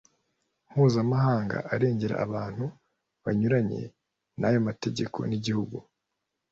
mpuzamahanga arengera abantu banyuranye. ayo mategeko n'igihugu